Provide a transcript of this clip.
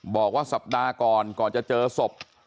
บอกว่าสัปดาห์ก่อนก่อนจะเจอศพ